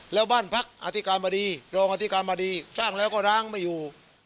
แล้วบ้านพักอธิการบดีรองอธิการบดีสร้างแล้วก็ร้างไม่อยู่